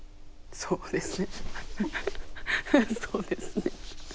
そうですね。